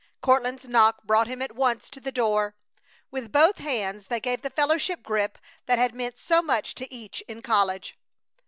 Courtland's knock brought him at once to the door. With both hands they gave the fellowship grip that had meant so much to each in college.